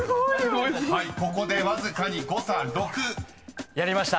［はいここでわずかに誤差６］やりました。